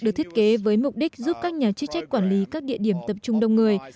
được thiết kế với mục đích giúp các nhà chức trách quản lý các địa điểm tập trung đông người